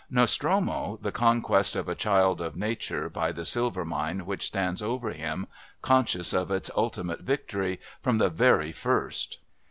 Nostromo, the conquest of a child of nature by the silver mine which stands over him, conscious of its ultimate victory, from the very first.